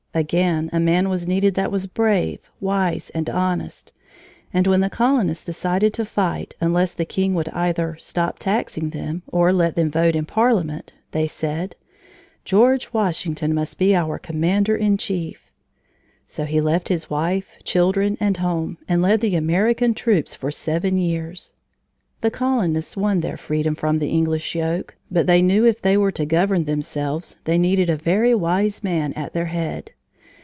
Again a man was needed that was brave, wise, and honest. And when the colonists decided to fight unless the king would either stop taxing them or let them vote in Parliament, they said: "George Washington must be our commander in chief." So he left his wife, children, and home, and led the American troops for seven years. The colonists won their freedom from the English yoke, but they knew if they were to govern themselves, they needed a very wise man at their head.